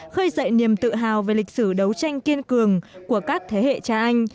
khơi dậy niềm tự hào về lịch sử đấu tranh kiên cường của các thế hệ cha anh